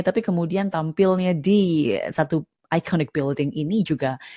tapi kemudian tampilnya di satu building ikonik ini juga